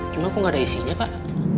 cuma kok nggak ada isinya pak